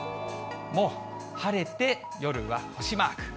もう晴れて、夜は星マーク。